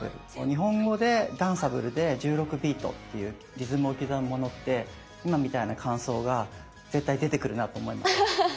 日本語でダンサブルで１６ビートっていうリズムを刻むものって今みたいな感想が絶対出てくるなと思います。